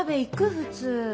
普通。